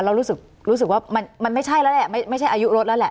เรารู้สึกว่ามันไม่ใช่แล้วแหละไม่ใช่อายุรถแล้วแหละ